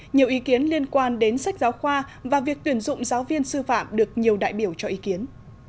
nhiều ý kiến liên quan đến sách giáo khoa và việc tuyển dụng giáo viên sư phạm được nhiều đại biểu cho ý kiến